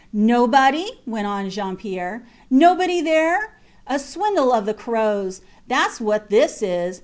Nobody? went on Jean Pierre. Nobody there. A swindle of the crows. Thats what this is.